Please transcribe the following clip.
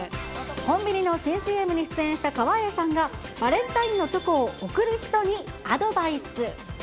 コンビニの新ＣＭに出演した川栄さんがバレンタインのチョコを贈る人にアドバイス。